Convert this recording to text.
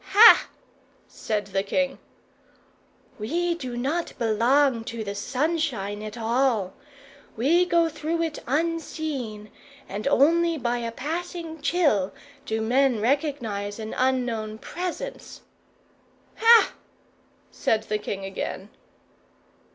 "Ha!" said the king. "We do not belong to the sunshine at all. We go through it unseen, and only by a passing chill do men recognize an unknown presence." "Ha!" said the king again.